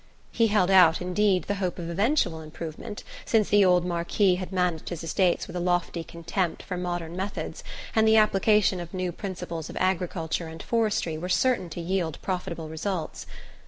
He held out, indeed, the hope of eventual improvement, since the old Marquis had managed his estates with a lofty contempt for modern methods, and the application of new principles of agriculture and forestry were certain to yield profitable results.